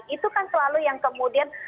itu kan selalu yang kemudian